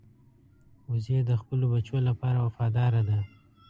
وزې د خپلو بچو لپاره وفاداره ده